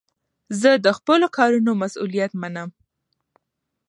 زه د خپلو کارونو مسئولیت منم.